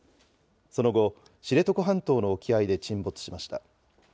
その後、知床半島の沖合で沈没しました。